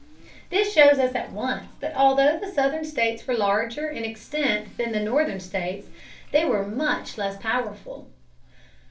This shows us at once that although the Southern states were larger in extent than the Northern states, they were much less powerful.